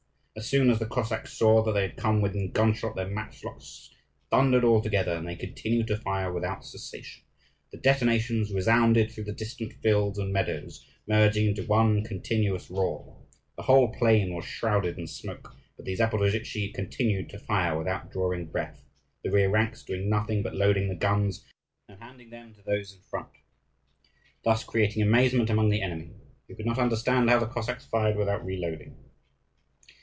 As soon as the Cossacks saw that they had come within gunshot, their matchlocks thundered all together, and they continued to fire without cessation. The detonations resounded through the distant fields and meadows, merging into one continuous roar. The whole plain was shrouded in smoke, but the Zaporozhtzi continued to fire without drawing breath the rear ranks doing nothing but loading the guns and handing them to those in front, thus creating amazement among the enemy, who could not understand how the Cossacks fired without reloading.